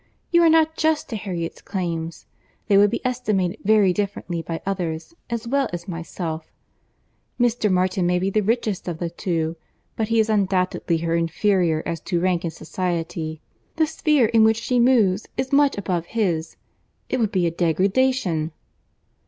You are not just to Harriet's claims. They would be estimated very differently by others as well as myself; Mr. Martin may be the richest of the two, but he is undoubtedly her inferior as to rank in society.—The sphere in which she moves is much above his.—It would be a degradation."